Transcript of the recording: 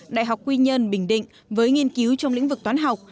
đại học quy nhơn bình định với nghiên cứu trong lĩnh vực toán học